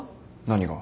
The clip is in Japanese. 何が？